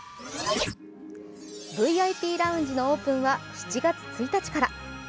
ＶＩＰラウンジのオープンは７月１日から。